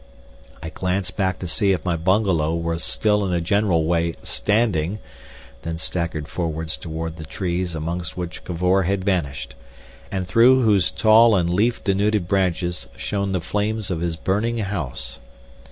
I glanced back to see if my bungalow was still in a general way standing, then staggered forwards towards the trees amongst which Cavor had vanished, and through whose tall and leaf denuded branches shone the flames of his burning house.